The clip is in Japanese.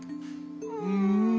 うん。